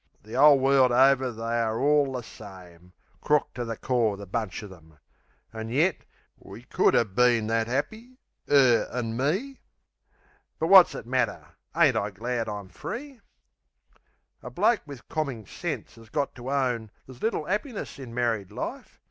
The 'ole world over they are all the same: Crook to the core the bunch of 'em an' yet We could 'a' been that 'appy, 'er an' me... But, wot's it matter? Ain't I glad I'm free? A bloke wiv commin sense 'as got to own There's little 'appiness in married life.